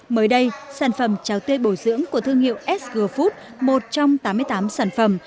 mới đây sản phẩm trà tươi bổ dưỡng của thương hiệu sg food một trong tám mươi tám sản phẩm